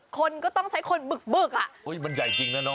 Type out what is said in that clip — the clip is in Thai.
คนก็ต้องใช้คนบึกอ่ะโอ้ยมันใหญ่จริงแล้วเนอะ